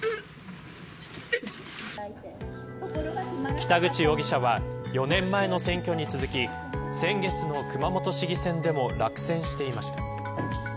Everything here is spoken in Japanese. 北口容疑者は４年前の選挙に続き先月の熊本市議選でも落選していました。